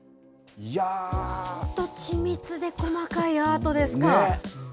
本当、緻密で細かいアートですか。